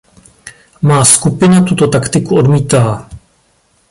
Má skupina tuto taktiku odmítá.